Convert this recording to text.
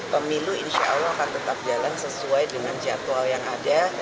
pemilu insya allah akan tetap jalan sesuai dengan jadwal yang ada